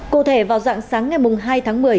cô thể vào dặm sáng ngày mùng hai một mươi